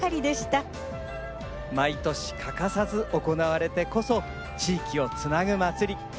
毎年欠かさず行われてこそ地域をつなぐまつり。